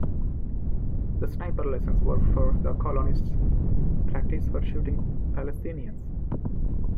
The sniper lessons were for the colonists, practice for shooting Palestinians.